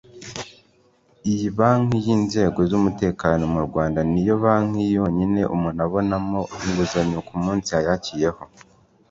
Iyi banki y’inzego z’umutekano mu Rwanda ni yo banki yonyine umuntu abonamo inguzanyo ku munsi ayakiyeho